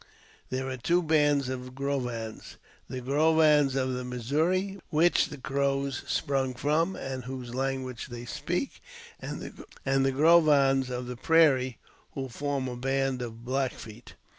There are two bands of the Grovans : the Grovans of the Missouri, which the Crows sprung from, and whose language they speak, and the Grovans of the prairie, who form a band of the Black Feet.